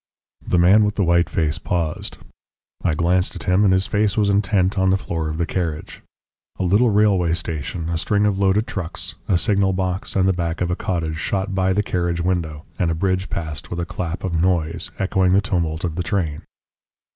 The man with the white face paused. I glanced at him, and his face was intent on the floor of the carriage. A little railway station, a string of loaded trucks, a signal box, and the back of a cottage, shot by the carriage window, and a bridge passed with a clap of noise, echoing the tumult of the train.